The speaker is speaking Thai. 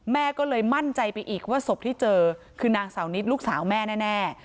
แม่ก็เลยมั่นใจไปอีกว่าศพที่เจอคือนางสาวนิดลูกสาวแม่แน่